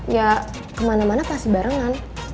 ya kemana mana pasti barengan